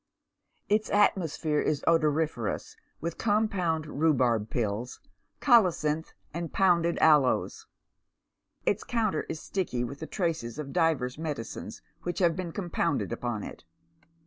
Its atmosphere is odoriferous with compound rhubarb pills, colocynth, and pounded aloes. Its counter is sticky with the traces of divers medicines wliich have been compounded upon it.